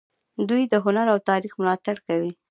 دوی د هنر او تاریخ ملاتړ کوي.